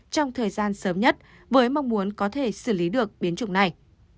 trong thời gian sớm nhất với mong muốn có thể xử lý được biến chủng này